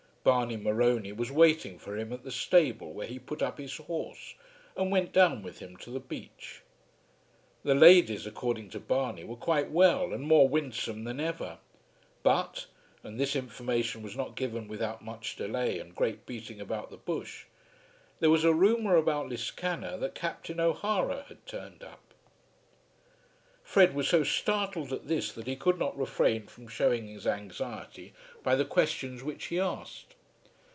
Barney Morony was waiting for him at the stable where he put up his horse, and went down with him to the beach. The ladies, according to Barney, were quite well and more winsome than ever. But, and this information was not given without much delay and great beating about the bush, there was a rumour about Liscannor that Captain O'Hara had "turned up." Fred was so startled at this that he could not refrain from showing his anxiety by the questions which he asked.